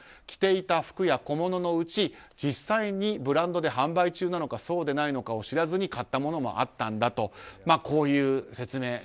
着ていた服や小物のうち、実際にブランドで販売中なのかそうでないのかを知らずに買ったものもあったんだという説明。